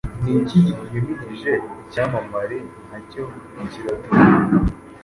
Ni iki gihimihije Icyamamare nacyo kiraduanga